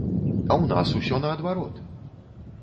А ў нас усё наадварот!